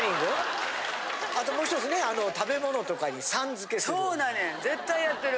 あともう１つね食べ物とかに「さん」付けする。